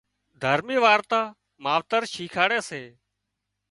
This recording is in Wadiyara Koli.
دهرمي وارتا ماوتر شيکاڙي سي